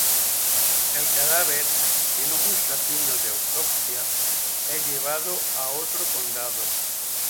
El cadáver, que no muestra signos de autopsia, es llevado a otro condado.